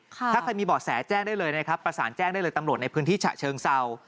ถ้าใครมีเบาะแสแจ้งได้เลยนะครับประสานแจ้งได้เลยตำรวจในพื้นที่ฉะเชิงเศร้า